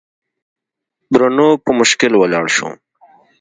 برونو په مشکل ولاړ شو.